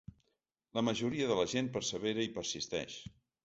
La majoria de la gent persevera i persisteix.